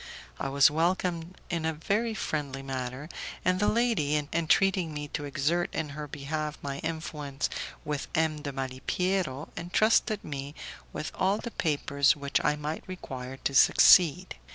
I was welcomed in a very friendly manner, and the lady, entreating me to exert in her behalf my influence with M. de Malipiero, entrusted me with all the papers which I might require to succeed.